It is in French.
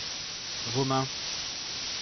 Vos mains.